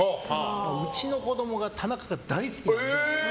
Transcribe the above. うちの子供が「タナカ」が大好きで。